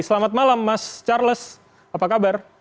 selamat malam mas charles apa kabar